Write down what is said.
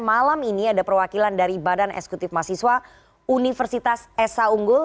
malam ini ada perwakilan dari badan eksekutif mahasiswa universitas esa unggul